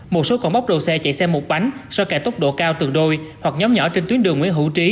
một số còn bóc đồ xe chạy xe một bánh so với kẻ tốc độ cao từ đôi hoặc nhóm nhỏ trên tuyến đường nguyễn hữu trí